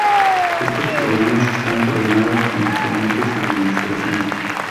Estos programas están coordinados con las diferentes administraciones.